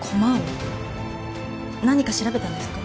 何か調べたんですか？